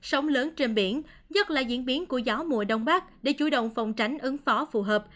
sóng lớn trên biển nhất là diễn biến của gió mùa đông bắc để chủ động phòng tránh ứng phó phù hợp